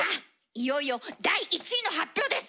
いよいよ第１位の発表です！